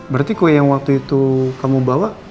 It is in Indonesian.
berarti kue yang waktu itu kamu bawa